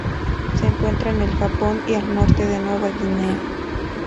Se encuentra en el Japón y al norte de Nueva Guinea.